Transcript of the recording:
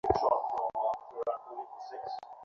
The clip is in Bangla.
রাত কেমন কাটছে?